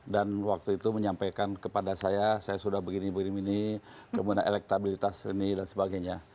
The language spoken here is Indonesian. dan waktu itu menyampaikan kepada saya saya sudah begini begini kemudian elektabilitas ini dan sebagainya